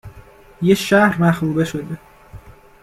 .یه شهر مخروبه شده